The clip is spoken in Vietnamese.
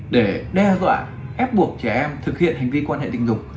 để đe dọa ép buộc trẻ em thực hiện hành vi quan hệ tình dục